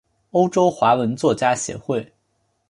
欧洲华文作家协会。